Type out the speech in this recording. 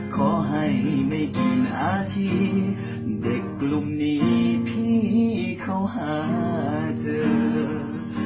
ขอให้ไม่กินนาทีเด็กกลุ่มนี้พี่เขาหาเจอ